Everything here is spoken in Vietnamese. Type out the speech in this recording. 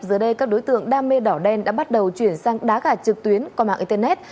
giờ đây các đối tượng đam mê đỏ đen đã bắt đầu chuyển sang đá gà trực tuyến qua mạng internet